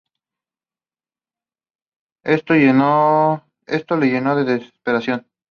Esto lo llenó de desesperación.